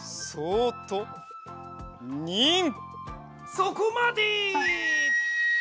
そこまで！